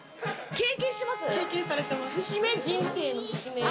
経験されてます。